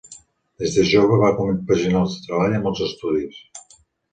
Des de jove va compaginar el treball amb els estudis.